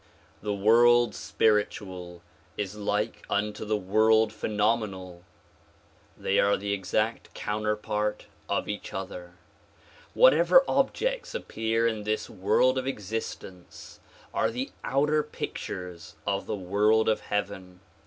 The world spiritual is like unto the world phenomenal. They are P 8 THE PROMULGATION OF UNIVERSAL PEACE the exact counterpart of each other. Whatever objects appear in this world of existence are the outer pictures of the world of heaven.